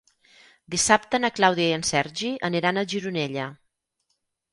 Dissabte na Clàudia i en Sergi aniran a Gironella.